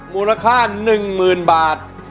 มูลค่า๑๐๐๐บาท